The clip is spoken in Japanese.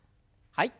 はい。